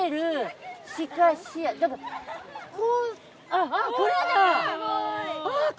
あっこれだ！